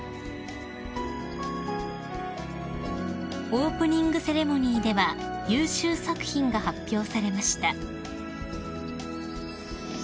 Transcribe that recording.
［オープニングセレモニーでは優秀作品が発表されました］